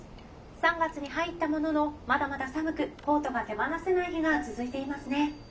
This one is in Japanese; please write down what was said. ３月に入ったもののまだまだ寒くコートが手放せない日が続いていますね。